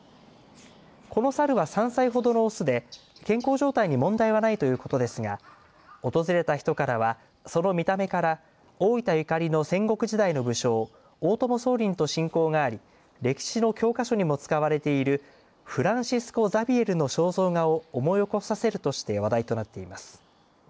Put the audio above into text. このサルは３歳ほどのオスで健康状態に問題はないということですが訪れた人からはその見た目から大分ゆかりの戦国時代の武将大友宗麟と親交があり歴史の教科書にも使われているフランシスコ・ザビエルの肖像画を思い起こさせるとして話題になっています。